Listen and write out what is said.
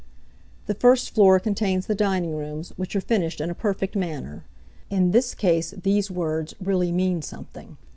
The first floor contains the dining rooms, which are finished in a perfect manner. In this case these words really mean something.